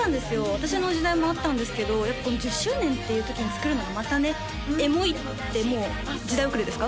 私の時代もあったんですけどやっぱこの１０周年っていうときに作るのがまたねエモいってもう時代遅れですか？